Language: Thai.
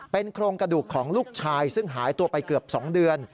โครงกระดูกของลูกชายซึ่งหายตัวไปเกือบ๒เดือน